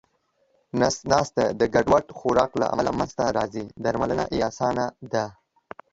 نس ناستی د ګډوډ خوراک له امله منځته راځې درملنه یې اسانه ده